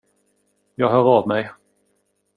Jag hör av mig.